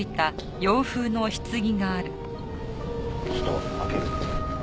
ちょっと開けよ。